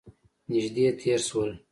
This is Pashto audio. نژدې تیر شول